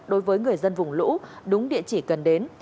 đối với người dân vùng lũ đúng địa chỉ cần đến